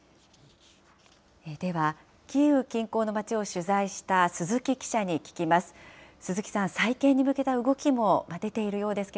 ではキーウ近郊の町を取材した鈴木記者に聞きます。